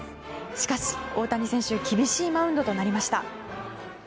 しかし、大谷選手厳しいマウンドとなりました。